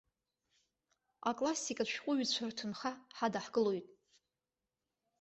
Аклассикатә шәҟәыҩҩцәа рҭынха ҳадаҳкылоит.